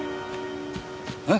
えっ？